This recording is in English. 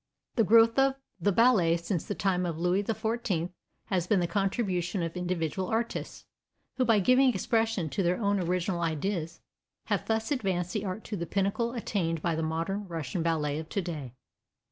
The growth of the ballet since the time of Louis XIV has been the contribution of individual artists, who by giving expression to their own original ideas have thus advanced the art to the pinnacle attained by the modern Russian ballet of today.